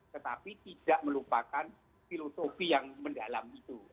tetapi tidak melupakan filosofi yang mendalam itu